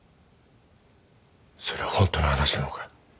それホントの話なのか？